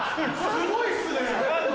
すごいっすね！